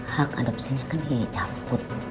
hak adopsinya kan iya cabut